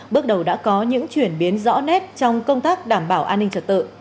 bước đầu đã có những chuyển biến rõ nét trong công tác đảm bảo an ninh trật tự